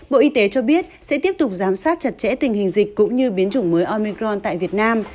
bộ y tế cho biết sẽ tiếp tục giám sát chặt chẽ tình hình dịch cũng như biến chủng mới omicron tại việt nam